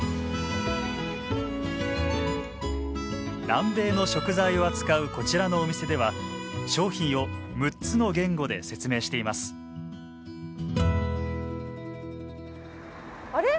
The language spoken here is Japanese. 南米の食材を扱うこちらのお店では商品を６つの言語で説明していますあれ？